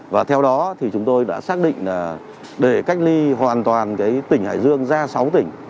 và theo đó thì chúng tôi đã xác định là để cách ly hoàn toàn tỉnh hải dương ra sáu tỉnh